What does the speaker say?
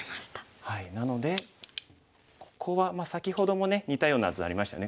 なのでここは先ほどもね似たような図ありましたよね。